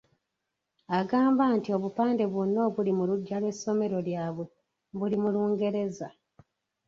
Agamba nti obupande bwonna obuli mu luggya lw'essomero lyabwe buli mu Lungereza.